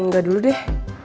gak dulu deh